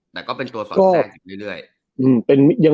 แต่ก็เป็นตัวสอดแทรกอีกเรื่อย